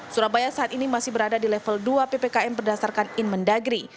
surabaya saat ini masih berada di level dua ppkm berdasarkan inmen dagri